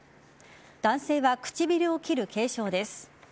男性は唇を切る軽傷です。